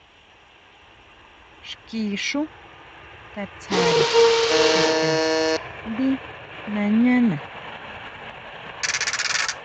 Xki xú katsáre chuta ndí nañana.